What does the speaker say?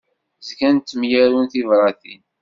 Zgan ttemyarun tibratin.